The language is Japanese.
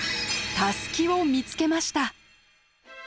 タスキを見つけました。